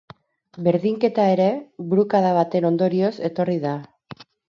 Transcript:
Berdinketa ere, burukada baten ondorioz etorri da.